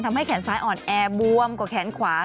ทำให้แขนซ้ายอ่อนแอบวมกว่าแขนขวา